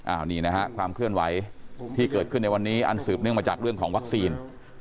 อันนี้นะฮะความเคลื่อนไหวที่เกิดขึ้นในวันนี้อันสืบเนื่องมาจากเรื่องของวัคซีน